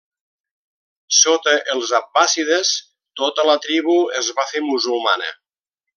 Sota els abbàssides tota la tribu es va fer musulmana.